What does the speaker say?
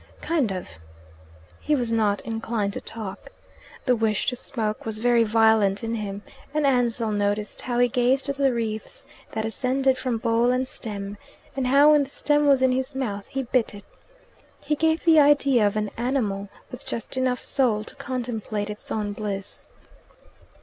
"Kind of." He was not inclined to talk. The wish to smoke was very violent in him, and Ansell noticed how he gazed at the wreaths that ascended from bowl and stem, and how, when the stem was in his mouth, he bit it. He gave the idea of an animal with just enough soul to contemplate its own bliss.